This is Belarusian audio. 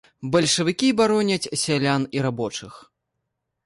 Бальшавікі бароняць сялян і рабочых.